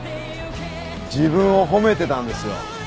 自分を褒めてたんですよ。